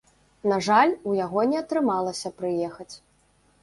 На жаль, у яго не атрымалася прыехаць.